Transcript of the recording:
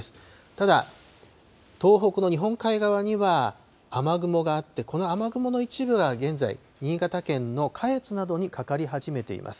ただ、東北の日本海側には雨雲があってこの雨雲の一部が現在、新潟県の下越などにかかり始めています。